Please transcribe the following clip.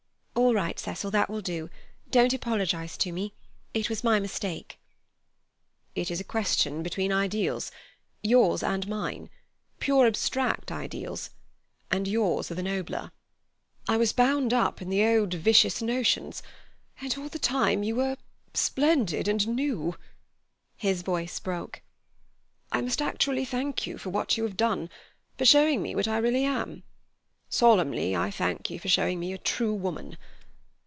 "All right, Cecil, that will do. Don't apologize to me. It was my mistake." "It is a question between ideals, yours and mine—pure abstract ideals, and yours are the nobler. I was bound up in the old vicious notions, and all the time you were splendid and new." His voice broke. "I must actually thank you for what you have done—for showing me what I really am. Solemnly, I thank you for showing me a true woman.